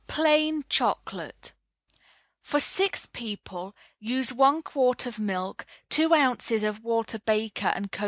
PLAIN CHOCOLATE For six people, use one quart of milk, two ounces of Walter Baker & Co.'